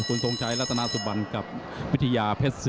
คุณทรงชัยรัฐนาสุบัญกับมิถยาเพศ๔๐๐๐๐